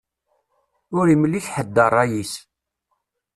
Ur imlik ḥedd ṛṛay-is.